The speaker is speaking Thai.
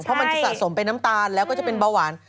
เพราะมันจะสะสมเป็นน้ำตาลแล้วก็จะเป็นเบาหวาน